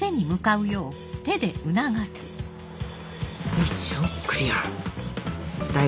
ミッションクリアだいぶ